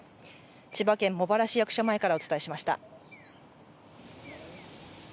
千葉県、茂原市役所前からお伝えしました。